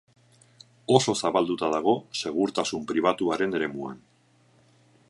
Oso zabalduta dago segurtasun pribatuaren eremuan.